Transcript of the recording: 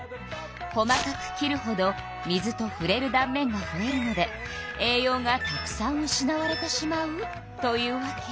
細かく切るほど水とふれるだん面がふえるので栄養がたくさん失われてしまうというわけ。